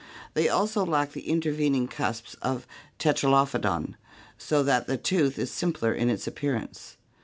They also lack the intervening cusps of TePralophodon, so that the tooth is simpler in its appearance.